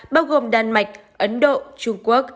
bao gồm đan mạch ấn độ trung quốc